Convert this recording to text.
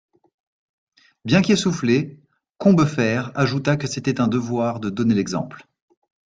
Bien qu'essoufflé, Combeferre ajouta que c'était un devoir de donner l'exemple.